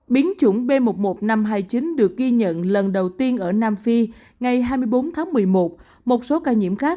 biến chủng b một mươi một nghìn năm trăm hai mươi chín được ghi nhận lần đầu tiên ở nam phi ngày hai mươi bốn tháng một mươi một một số ca nhiễm khác